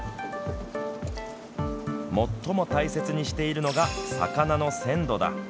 最も大切にしているのが魚の鮮度だ。